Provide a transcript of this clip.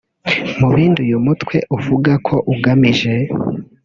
Mu bindi uyu mutwe uvuga ko ugamije